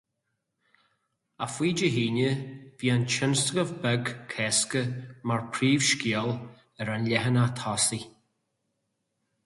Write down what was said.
Ach faoi Dé hAoine, bhí an tionscnamh beag Cásca mar phríomhscéal ar an leathanach tosaigh.